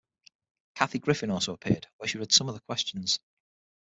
Kathy Griffin also appeared, where she read some of the questions.